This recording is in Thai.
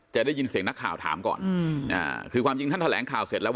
จะได้ยินเสียงนักข่าวถามก่อนอืมอ่าคือความจริงท่านแถลงข่าวเสร็จแล้ว